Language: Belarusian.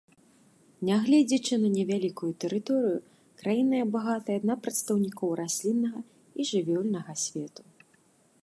Нягледзячы на невялікую тэрыторыю, краіна багатая на прадстаўнікоў расліннага і жывёльнага свету.